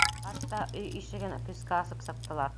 Хатта өй ишеген көскә асып сыҡтылар.